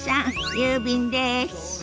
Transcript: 郵便です。